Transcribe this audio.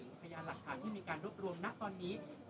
การตกไปของมันเป็นอุบัติที่เผยที่เกิดจากความประมาท